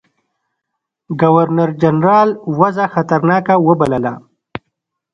ګورنرجنرال وضع خطرناکه وبلله.